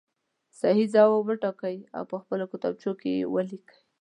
صحیح ځواب وټاکئ او په خپلو کتابچو کې یې ولیکئ.